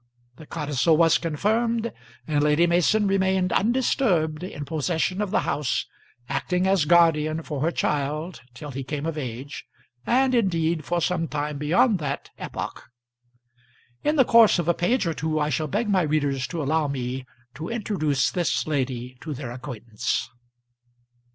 The codicil was confirmed, and Lady Mason remained undisturbed in possession of the house, acting as guardian for her child till he came of age, and indeed for some time beyond that epoch. In the course of a page or two I shall beg my readers to allow me to introduce this lady to their acquaintance.